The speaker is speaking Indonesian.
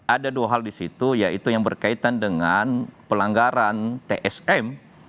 ada dua hal di situ yaitu yang berkaitan dengan pelanggaran tsm